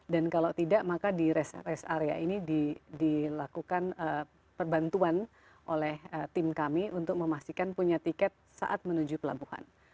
dan kalau tidak maka di rest area ini dilakukan perbantuan oleh tim kami untuk memastikan punya tiket saat menuju pelabuhan